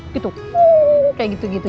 gitu kayak gitu gitu